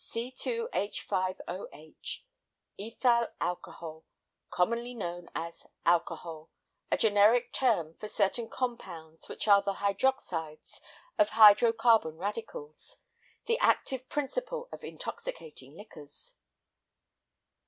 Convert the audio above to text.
"C2H5OH, ethyl alcohol; commonly known as alcohol; a generic term for certain compounds which are the hydroxides of hydrocarbon radicals. The active principle of intoxicating liquors."